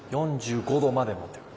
４５度まで持ってくる。